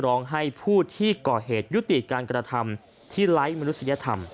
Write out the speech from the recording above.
ร้องให้ผู้ที่ก่อเหตุยุติการกระทำที่ไร้มนุษยธรรม